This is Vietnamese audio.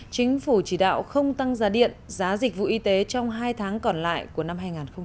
chính phủ chỉ đạo không tăng giá điện giá dịch vụ y tế trong hai tháng còn lại của năm hai nghìn hai mươi